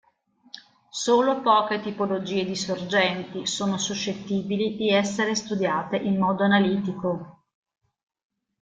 Solo poche tipologie di sorgenti sono suscettibili di essere studiate in modo analitico.